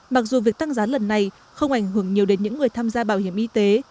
mặc dù việc tăng giá lần này không ảnh hưởng nhiều đến những người tham gia bảo hiểm y tế